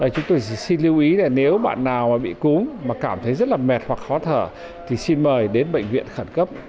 chúng tôi xin lưu ý là nếu bạn nào bị cúm mà cảm thấy rất là mệt hoặc khó thở thì xin mời đến bệnh viện khẩn cấp